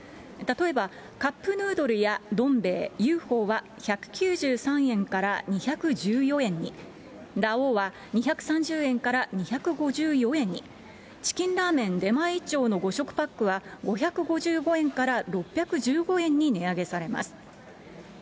例えば、カップヌードルやどん兵衛、ＵＦＯは１９３円から２１４円に、ラ王は２３０円から２５４円に、チキンラーメン、出前一丁の５食パックは、５５５円から６１５円に値上げされます。